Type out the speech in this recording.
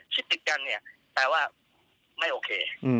ติดกันเนี่ยแปลว่าไม่โอเค